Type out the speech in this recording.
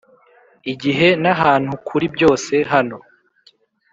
igihe n'ahantu kuri byose - hano